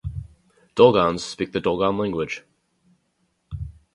Dolgans speak the Dolgan language.